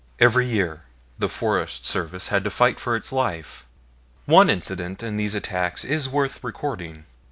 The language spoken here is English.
Every year the Forest Service had to fight for its life. One incident in these attacks is worth recording.